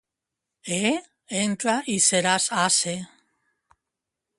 —Eh? —Entra i seràs ase.